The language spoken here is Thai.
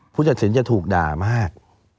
ผู้ตัดสินจะถูกด่ามาก